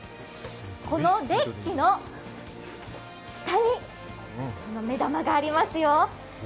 このデッキの下に目玉がありますよ。